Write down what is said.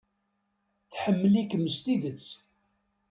Tḥemmel-ikem s tidet.